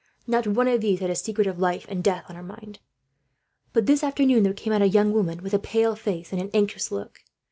Not one of these had a secret of life and death on her mind. "But this afternoon there came out a young woman with a pale face, and an anxious look.